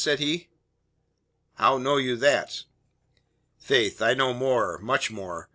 said he. "How know you that?" "Faith, I know more much more.